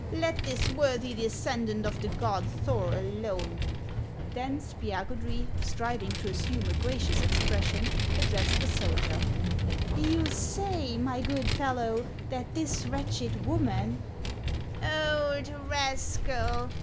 Let this worthy de scendant of the god Thor alone." Then Spiagudry, striving to assume a gracious expres sion, addressed the soldier :" You say, my good fellow, that this wretched woman —"" Old rascal!